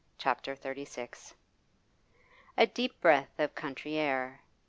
CHAPTER XXXVI A deep breath of country air.